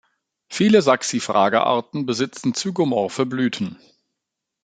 Viele "Saxifraga"-Arten besitzen "zygomorph"e Blüten.